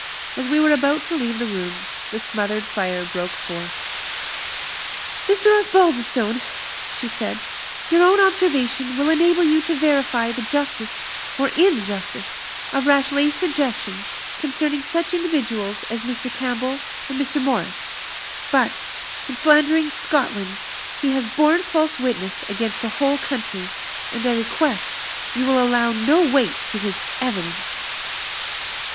As we were about to leave the room, the smothered fire broke forth. "Mr. Osbaldistone," she said, "your own observation will enable you to verify the justice, or injustice, of Rashleigh's suggestions concerning such individuals as Mr. Campbell and Mr. Morris. But, in slandering Scotland, he has borne false witness against a whole country; and I request you will allow no weight to his evidence."